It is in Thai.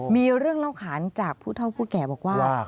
มีเรื่องเล่าขานจากผู้เท่าผู้แก่บอกว่า